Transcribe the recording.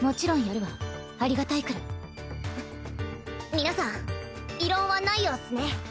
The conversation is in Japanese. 皆さん異論はないようっスね。